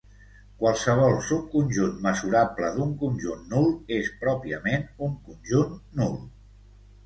Qualsevol subconjunt mesurable d"un conjunt nul és pròpiament un conjunt nul.